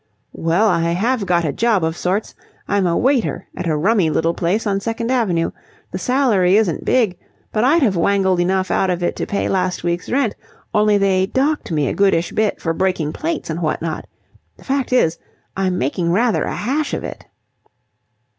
"Well, I have got a job of sorts, I'm a waiter at a rummy little place on Second Avenue. The salary isn't big, but I'd have wangled enough out of it to pay last week's rent, only they docked me a goodish bit for breaking plates and what not. The fact is, I'm making rather a hash of it."